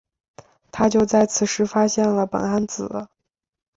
他就在此时发现了苯胺紫。